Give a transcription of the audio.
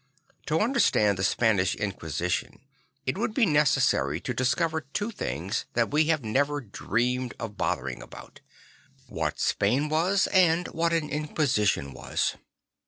To understand the Spanish Inquisition it would be necessary to discover two things that we have never dreamed 'Ihe World St. Francis Found 21 of bothering about; what Spain was and what an Inquisition was.